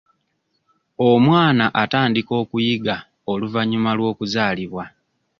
Omwana atandika okuyiga oluvannyuma lw'okuzaalibwa.